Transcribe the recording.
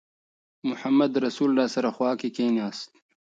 محمدرسول راسره خوا کې کېناست.